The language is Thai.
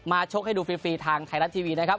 ชกให้ดูฟรีทางไทยรัฐทีวีนะครับ